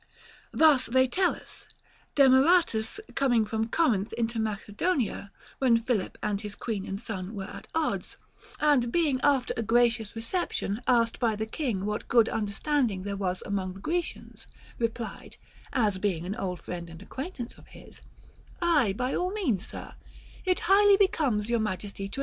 Thus, thev tell us, Demaratus coming from Corinth into Macedonia when Philip and his queen and son were at odds, and being after a gracious reception asked by the king what good understanding there was among the Gre cians, replied, as being an old friend and acquaintance of his, Aye, by all means, sir, it highly becomes your majesty FROM A FRIEND.